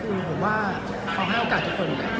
ข้าว่าให้โอกาสทุกคนเลย